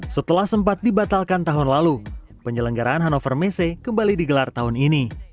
setelah sempat dibatalkan tahun lalu penyelenggaran hannover messe kembali digelar tahun ini